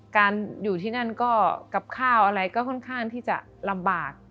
การอยู่ที่นั่นก็กับข้าวอะไรก็ค่อนข้างที่จะลำบาก